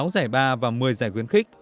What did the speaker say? sáu giải ba và một mươi giải quyến khích